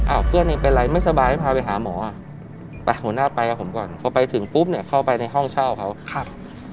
เพื่อนเองเป็นไรไม่สบายให้พาไปหาหมออ่ะไปหัวหน้าไปกับผมก่อนพอไปถึงปุ๊บเนี่ยเข้าไปในห้องเช่าเขาครับ